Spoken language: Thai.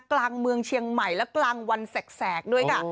กลางเมืองเชียงใหม่และกลางวันแสกด้วยค่ะ